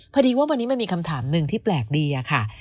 พอดีว่าวันนี้มันมีคำถามหนึ่งที่แปลกดีอะค่ะ